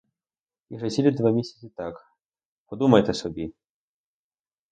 І вже цілі два місяці так, подумайте собі!